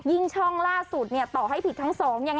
ยิ่งช่องล่าสุดต่อให้ผิดทั้งสอง